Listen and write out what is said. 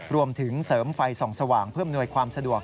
รวมถึงเสริมไฟส่องสว่างเพื่ออำนวยความสะดวก